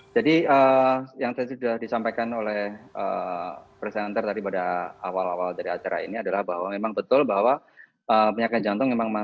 jadi yang tadi sudah disampaikan oleh presenter tadi pada awal awal dari acara ini adalah bahwa memang betul bahwa penyakit jantung memang berbahaya